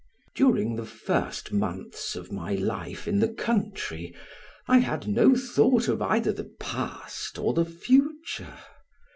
During the first months of my life in the country I had no thought of either the past or the future.